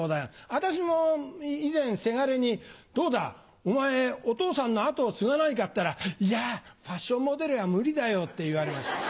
私も以前せがれに「どうだ？お前お父さんの後を継がないか？」って言ったら「いやファッションモデルは無理だよ」って言われました。